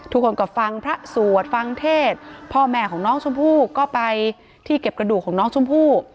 ทุกคนก็ฟังพระสวดฟังเทศพ่อแม่ของน้องชมพู่ก็ไปที่เก็บกระดูกของน้องชมพู่